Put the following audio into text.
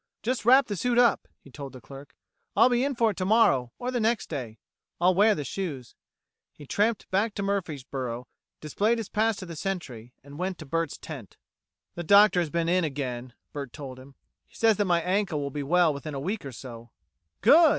"Just wrap the suit up," he told the clerk, "I'll be in for it tomorrow, or the next day. I'll wear the shoes." He tramped back to Murfreesboro, displayed his pass to the Sentry, and went to Bert's tent. "The doctor has been in again," Bert told him. "He says that my ankle will be well in a week or so." "Good!"